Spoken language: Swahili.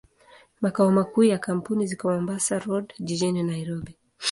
Makao makuu ya kampuni ziko Mombasa Road, jijini Nairobi.